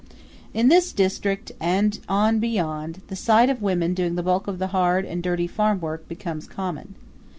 In this district and on beyond, the sight of women doing the bulk of the hard and dirty farmwork becomes common.